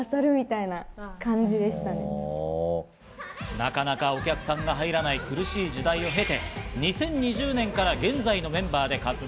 なかなかお客さんが入らない苦しい時代を経て、２０２０年から現在のメンバーで活動。